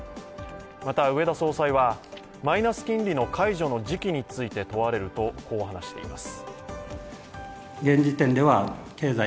また、植田総裁はマイナス金利の解除の時期について問われると、こう話しています。